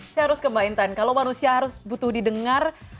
saya harus ke mbak intan kalau manusia harus butuh didengar